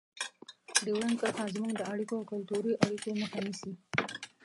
ډیورنډ کرښه زموږ د اړیکو او کلتوري اړیکو مخه نیسي.